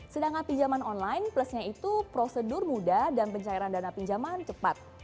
sedangkan pinjaman online plusnya itu prosedur mudah dan pencairan dana pinjaman cepat